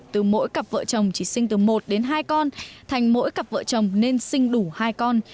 từ mỗi cặp vợ chồng chỉ sinh từ một đến hai con thành mỗi cặp vợ chồng nên sinh đủ hai con